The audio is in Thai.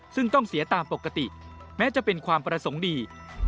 ซึ่งต้องเสียตามปกติแม้จะเป็นความประสงค์ดี